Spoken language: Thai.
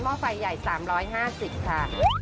เมาะไฟใหญ่๓๕๐บาทค่ะ